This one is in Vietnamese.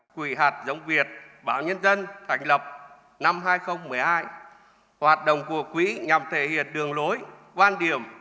quỹ hạt giống việt báo nhân dân thành lập năm hai nghìn một mươi hai hoạt động của quỹ nhằm thể hiện đường lối quan điểm